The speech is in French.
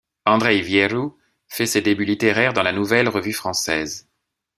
Andrei Vieru fait ses débuts littéraires dans la Nouvelle Revue française.